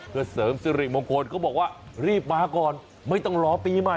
เพื่อเสริมสิริมงคลก็บอกว่ารีบมาก่อนไม่ต้องรอปีใหม่